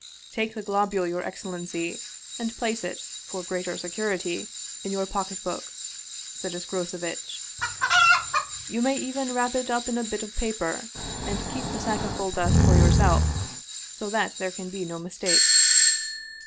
" Take the globule, your excellency, and place it, for greater security, in your pocketbook," said Escrocevitch ;" you may even wrap it up in a bit of paper ; and keep the sack of gold dust yourself, so that there can be no mis take."